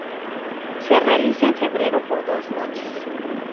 Se realiza en febrero por dos noches.